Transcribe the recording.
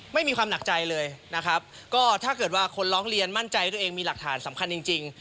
ไม่มีความหนักใจเลยนะครับก็ถ้าเกิดว่าคนร้องเรียนมั่นใจว่าตัวเองมีหลักฐานสำคัญจริง